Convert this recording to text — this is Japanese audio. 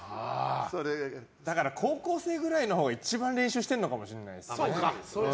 だから高校生ぐらいのほうが一番練習してるのかもしれない。